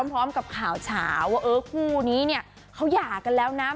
พร้อมกับข่าวเฉาว่าเออคู่นี้เนี่ยเขาหย่ากันแล้วนะ